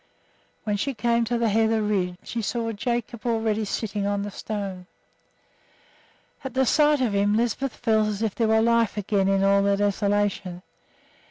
When she came to the heather ridge she saw Jacob already sitting on the stone. At the sight of him Lisbeth felt as if there was life again in all the desolation.